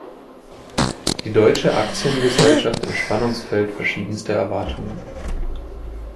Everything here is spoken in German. Die deutsche Aktiengesellschaft im Spannungsfeld verschiedenster Erwartungen".